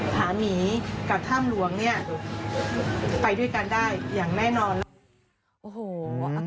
ผามีกับท่ำหลวงไปด้วยกันได้อย่างแน่นอน